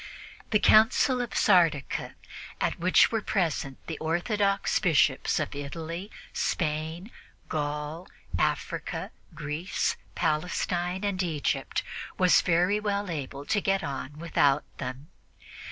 The Council of Sardica, at which were present the orthodox Bishops of Italy, Spain, Gaul, Africa, Greece, Palestine and Egypt, was very well able to get on without them.